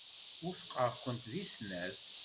Wufqeɣ-kent deg snat.